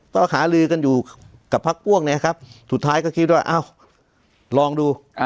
ก็หาลือกันอยู่กับพักพวกเนี่ยครับสุดท้ายก็คิดว่าอ้าวลองดู